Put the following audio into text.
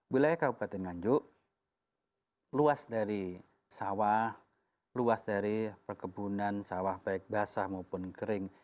wilayah kabupaten nganjuk luas dari sawah luas dari perkebunan sawah baik basah maupun kering